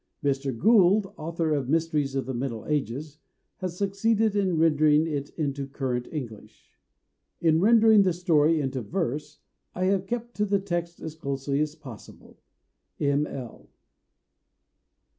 Mr. Gould, author of Mysteries of the Middle Ages, has succeeded in rendering it into current English." In rendering the story into verse, I have kept to the text as closely as possible. M. L.)